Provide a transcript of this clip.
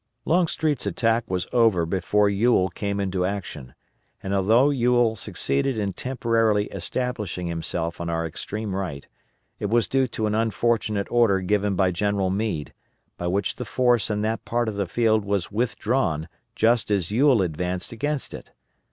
Longstreet's attack was over before Ewell came into action, and although Ewell succeeded in temporarily establishing himself on our extreme right, it was due to an unfortunate order given by General Meade, by which the force in that part of the field was withdrawn just as Ewell advanced against it.